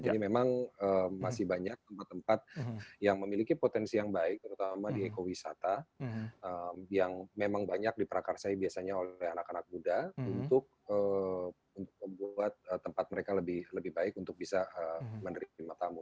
jadi memang masih banyak tempat tempat yang memiliki potensi yang baik terutama di ekowisata yang memang banyak diperakarsai biasanya oleh anak anak muda untuk membuat tempat mereka lebih baik untuk bisa menerima tamu